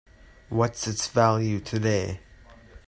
What's its value today?